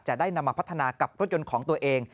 จะได้นำมาพัฒนากับรถยนต์ของตัวเอง